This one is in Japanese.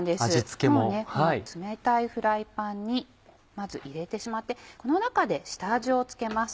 もうね冷たいフライパンにまず入れてしまってこの中で下味を付けます。